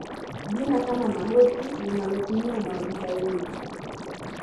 Jina kama Magoti linalotumiwa na Wajita wengi